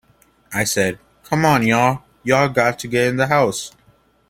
I said, 'C'mon y'all, y'all got to get in the house.